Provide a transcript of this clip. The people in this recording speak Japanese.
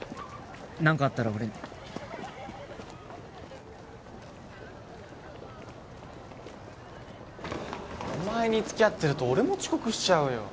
何かあったら俺にお前に付き合ってると俺も遅刻しちゃうよ